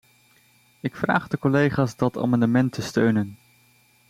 Ik vraag de collega's dat amendement te steunen.